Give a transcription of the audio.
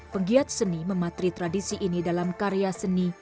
penggiat seni mematri tradisi ini dalam karya seni